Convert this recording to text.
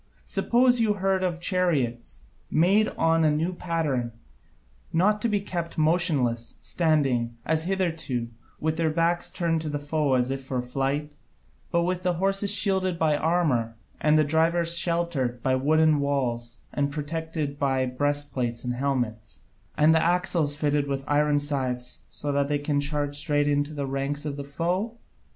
Suppose you heard of chariots, made on a new pattern, not to be kept motionless, standing, as hitherto, with their backs turned to the foe as if for flight, but with the horses shielded by armour, and the drivers sheltered by wooden walls and protected by breastplates and helmets, and the axles fitted with iron scythes so that they can charge straight into the ranks of the foe?